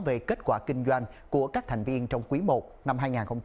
về kết quả kinh doanh của các thành viên trong quý i năm hai nghìn hai mươi